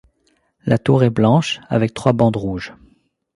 La tour est blanche avec trois bandes rouges.